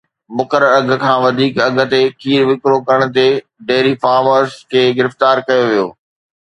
مقرر اگهه کان وڌيڪ اگهه تي کير وڪرو ڪرڻ تي ڊيري فارمرز کي گرفتار ڪيو ويو